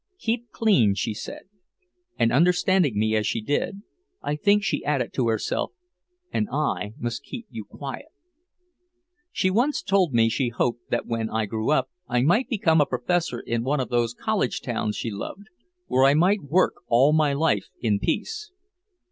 "Keep clean," she said. And understanding me as she did, I think she added to herself, "And I must keep you quiet." She once told me she hoped that when I grew up I might become a professor in one of those college towns she loved, where I might work all my life in peace.